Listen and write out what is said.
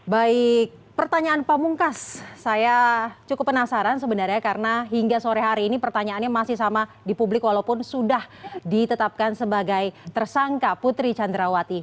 baik pertanyaan pamungkas saya cukup penasaran sebenarnya karena hingga sore hari ini pertanyaannya masih sama di publik walaupun sudah ditetapkan sebagai tersangka putri candrawati